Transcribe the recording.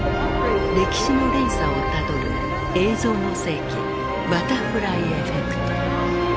歴史の連鎖をたどる「映像の世紀バタフライエフェクト」。